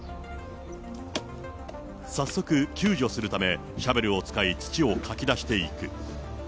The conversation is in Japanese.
早速、救助するためシャベルを使い、土をかき出していく。